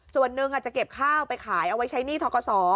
ส่วนหนึ่งจะเก็บข้าวไปขายเอาไว้ใช้หนี้ทกศ